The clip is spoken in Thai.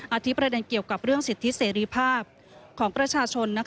ที่ประเด็นเกี่ยวกับเรื่องสิทธิเสรีภาพของประชาชน